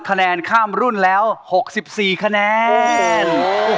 คะแนนข้ามรุ่นแล้ว๖๔คะแนน